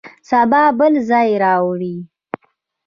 سبا بل ځای روان یو.